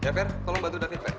ya fer tolong bantu david fer